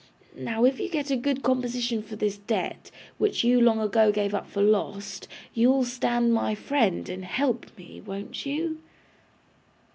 Now, if you get a good composition for this debt, which you long ago gave up for lost, you'll stand my friend, and help me. Won't you?